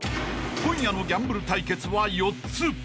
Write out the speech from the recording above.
［今夜のギャンブル対決は４つ］